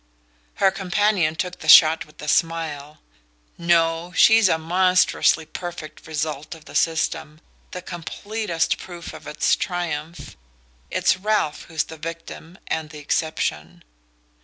Her companion took the shot with a smile. "No she's a monstrously perfect result of the system: the completest proof of its triumph. It's Ralph who's the victim and the exception."